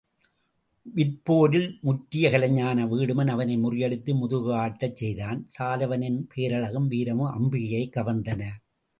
விற்போரில் முற்றிய கலைஞனான வீடுமன் அவனை முறியடித்து முதுகு காட்டச்செய்தான், சாலுவனின் பேரழகும் வீரமும் அம்பிகையைக் கவர்ந்தன.